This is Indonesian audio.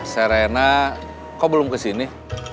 serena kok belum kesini